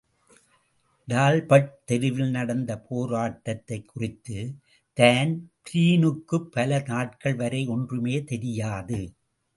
Talbot தெருவில் நடந்த போராட்டத்தைக் குறித்து தான்பிரீனுக்குப் பல நாட்கள் வரை ஒன்றுமே தெரியாது.